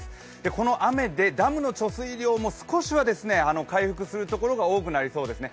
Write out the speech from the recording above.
この雨でダムの貯水量も少しは回復するところが多くなりそうですね。